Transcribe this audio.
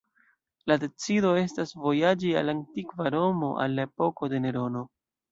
La decido estas vojaĝi al antikva Romo, al la epoko de Nerono.